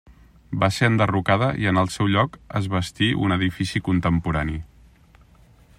Va ser enderrocada i en el seu lloc es bastí un edifici contemporani.